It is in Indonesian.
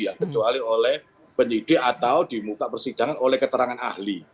yang kecuali oleh penyidik atau di muka persidangan oleh keterangan ahli